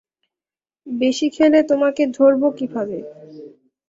বেশী খেলে তোমাকে ধরব কীভাবে?